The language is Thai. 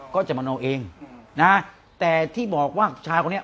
ก็จะมโนเองนะแต่ที่บอกว่าชายคนนี้